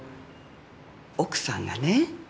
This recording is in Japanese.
奥さんがね